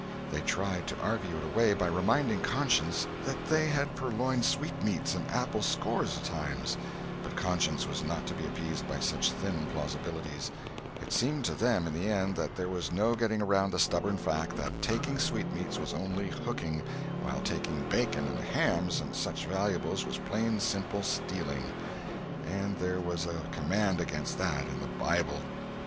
They tried to argue it away by reminding conscience that they had purloined sweetmeats and apples scores of times; but conscience was not to be appeased by such thin plausibilities; it seemed to them, in the end, that there was no getting around the stubborn fact that taking sweetmeats was only "hooking," while taking bacon and hams and such valuables was plain simple stealing—and there was a command against that in the Bible.